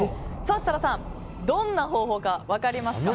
設楽さん、どんな方法か分かりますか？